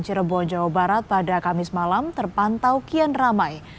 cirebon jawa barat pada kamis malam terpantau kian ramai